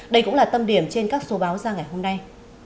đây cũng là tâm điểm trên các số báo ra ngày hôm nay